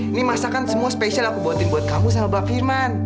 ini masakan semua spesial aku buatin buat kamu sama mbak firman